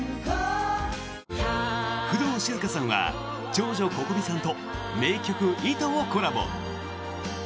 工藤静香さんは長女・Ｃｏｃｏｍｉさんと名曲「糸」をコラボ。